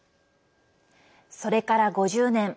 それから５０年。